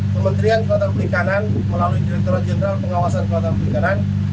pembelian kuota beli kanan melalui direkturat jenderal pengawasan kuota beli kanan